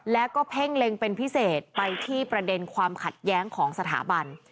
แล้วก็เพ่งเล็งเป็นพิเศษไปที่ประเด็นความขัดแย้งของสถาบัน